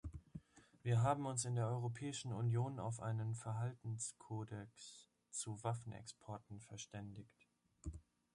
Wir haben uns in der Europäischen Union auf einen Verhaltenskodex zu Waffenexporten verständigt.